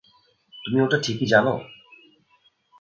তুমি ওটা ঠিকই জানো?